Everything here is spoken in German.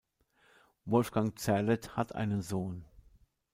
Wolfgang Zerlett hat einen Sohn.